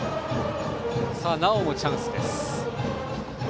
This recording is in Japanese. なおもチャンスです。